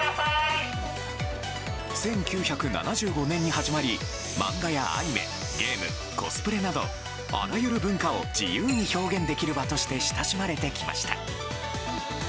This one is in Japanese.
１９７５年に始まり漫画やアニメ、ゲームコスプレなど、あらゆる文化を自由に表現できる場として親しまれてきました。